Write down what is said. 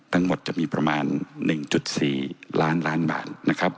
ทั้งหมดจะมีประมาณ๑๔ล้านบาท